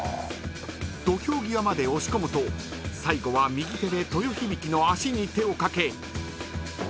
［土俵際まで押し込むと最後は右手で豊響の足に手を掛け］